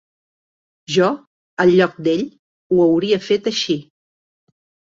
Jo, al lloc d'ell, ho hauria fet així.